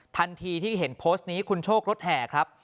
ทันทีที่เห็นโพสต์นี้คุณโชครถแห่ครับ